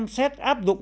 nên xem xét áp dụng